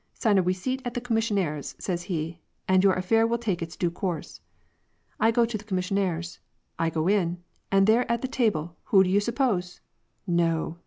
' Sign a we ceipt at the commissioner's,' says he * and your affair will take its due course.' I go to the commissioner's. I go in. And there at the table, who do you suppose ? No